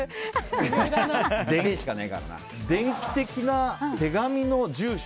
電気的な手紙の住所。